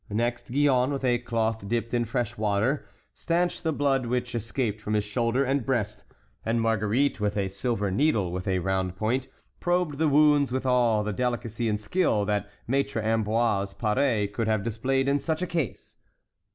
Next Gillonne, with a cloth dipped in fresh water, stanched the blood which escaped from his shoulder and breast, and Marguerite, with a silver needle with a round point, probed the wounds with all the delicacy and skill that Maître Ambroise Paré could have displayed in such a case.